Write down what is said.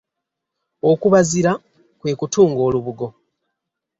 Okubazira kwe kutunga olubugo.